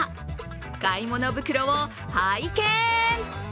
買い物袋を拝見！